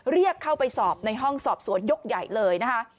เรียกเข้าไปสอบในห้องสอบสวนยกใหญ่เลยนะคะ